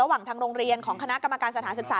ทางโรงเรียนของคณะกรรมการสถานศึกษา